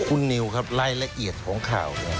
คุณนิวครับรายละเอียดของข่าวเนี่ย